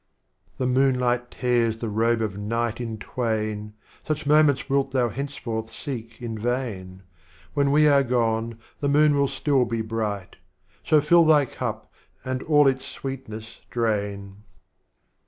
The Moonlight tears the Rohe of Night in twain. Such Moments wilt Thou henceforth seek in vain, — When we are gone the Moon will still be bright. So fill Thy Cup, and all its Sweetness drain.